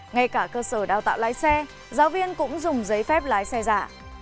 ngay cả cơ sở đào tạo lái xe giáo viên cũng dùng giấy phép lái xe giả